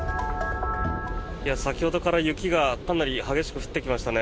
先ほどから雪がかなり激しく降ってきましたね。